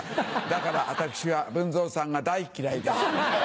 だから私は文蔵さんが大嫌いです。